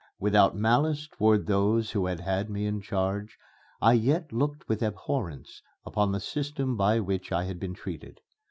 Without malice toward those who had had me in charge, I yet looked with abhorrence upon the system by which I had been treated.